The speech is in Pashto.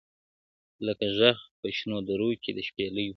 لکه ږغ په شنو درو کي د شپېلیو -